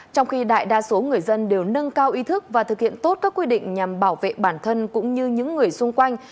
trong khi đại đa số người dân đều nâng cao ý thức và thực hiện tốt các quy định nhằm bảo vệ bản thân cũng như những người xung quanh